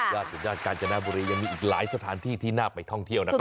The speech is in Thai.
สุดยอดกาญจนบุรียังมีอีกหลายสถานที่ที่น่าไปท่องเที่ยวนะครับ